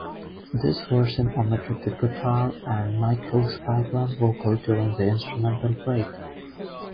This version omitted the guitar and Michael's background vocals during the instrumental break.